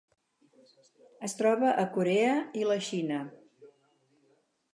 Es troba a Corea i la Xina.